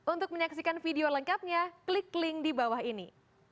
untuk menyaksikan video lengkapnya klik link di bawah ini